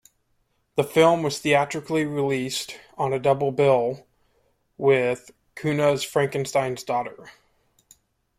The film was theatrically released on a double bill with Cunha's "Frankenstein's Daughter".